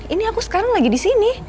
ini aku sekarang lagi di sini